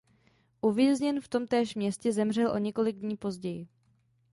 Uvězněn v tomtéž městě zemřel o několik dní později.